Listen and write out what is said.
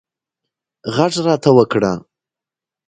غږ راته وکړه